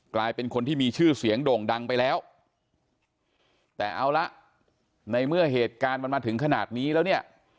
กลายเป็นคนที่มีชื่อเสียงโด่งดังไปแล้วแต่เอาละในเมื่อเหตุการณ์มันมาถึงขนาดนี้แล้วเนี่ย